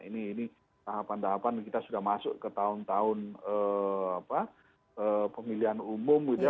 ini tahapan tahapan kita sudah masuk ke tahun tahun pemilihan umum gitu ya